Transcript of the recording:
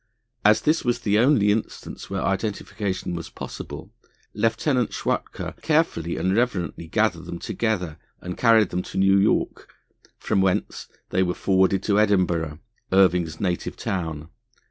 As this was the only instance where identification was possible, Lieutenant Schwatka carefully and reverently gathered them together and carried them to New York, from whence they were forwarded to Edinburgh, Irving's native town.